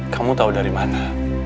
kamu tahu dari mana